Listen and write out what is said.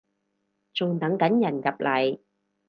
仲等緊人入嚟